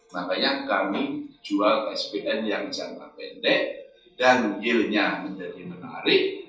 makanya kami jual spn yang jangka pendek dan yieldnya menjadi menarik